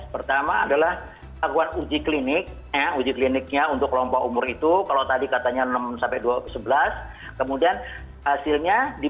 pertama adalah lakukan uji klinik uji kliniknya untuk kelompok umur itu kalau tadi katanya enam sebelas kemudian hasilnya di